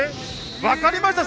わかりましたか？